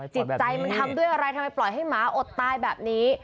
จิตใจมันทำด้วยอะไรทำไมปล่อยให้หมาอดตายแบบนี้